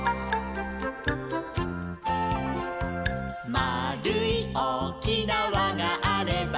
「まあるいおおきなわがあれば」